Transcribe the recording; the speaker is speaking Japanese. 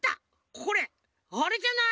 これあれじゃない？